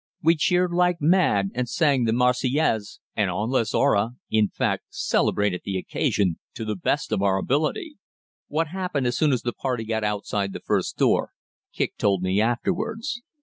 We cheered like mad and sang the Marseillaise and "On les aura" in fact, celebrated the occasion to the best of our ability. What happened as soon as the party got outside the first door, Kicq told me afterwards.